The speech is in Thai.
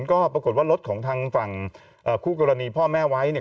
ก็ปรากฏว่ารถของทางฝั่งคู่กรณีพ่อแม่ไว้เนี่ย